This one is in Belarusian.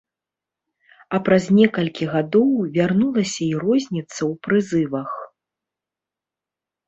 А праз некалькі гадоў вярнулася і розніца ў прызывах.